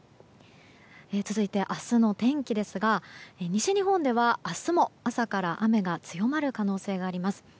続いて明日の天気ですが西日本では明日も朝から雨が強まる可能性があります。